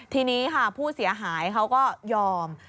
ทีนี้ค่ะผู้เสียหายเขาก็ยอม